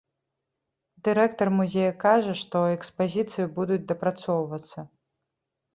Дырэктар музея кажа, што экспазіцыі будуць дапрацоўвацца.